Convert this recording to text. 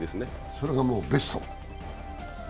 それがもうベスト？